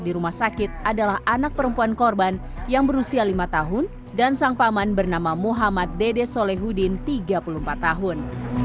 di rumah sakit adalah anak perempuan korban yang berusia lima tahun dan sang paman bernama muhammad dede solehudin tiga puluh empat tahun